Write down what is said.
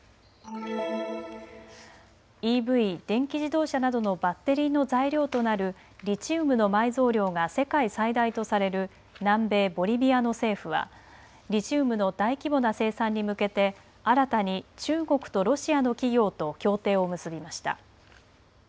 ＥＶ・電気自動車などのバッテリーの材料となるリチウムの埋蔵量が世界最大とされる南米・ボリビアの政府はリチウムの大規模な生産に向けて新たに中国とロシアの企業と協定を結びました。